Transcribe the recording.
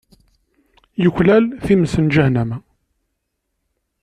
Yuklal times n Ǧahennama.